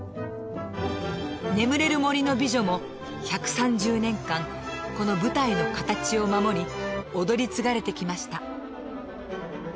「眠れる森の美女」も１３０年間この舞台の形を守り踊り継がれてきました